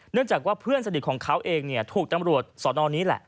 เนื่องจากว่าเพื่อนสนิทของเขาเองถูกตำรวจสอนองค์นี้แหละ